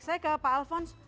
saya ke pak alfons